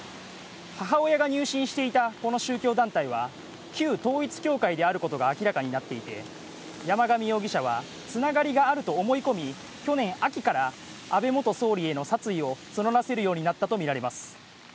母親が入信していたこの宗教団体は、旧統一教会であることが明らかになっていて、山上容疑者はつながりがあると思い込み、去年秋から安倍元総理への殺意を募らせるようになったとみられます。